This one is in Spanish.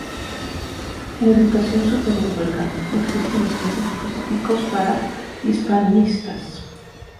En la educación superior belga, no existen estudios específicos para hispanistas.